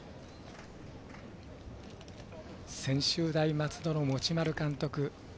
専修大松戸の持丸監督。